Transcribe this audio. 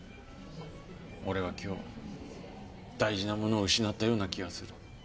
俺は今日大事なものを失ったような気がする。